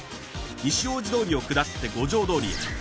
西大路通を下って五条通へ。